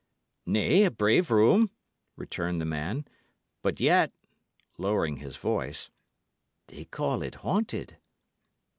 "Nay, a brave room," returned the man. "But yet" lowering his voice "they call it haunted."